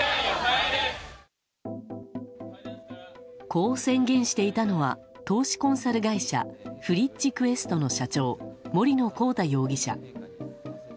こう宣言していたのは投資コンサル会社フリッチクエストの社長森野広太容疑者。